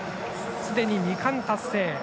すでに２冠達成。